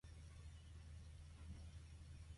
He was cast in "Pravda" alongside Anthony Hopkins.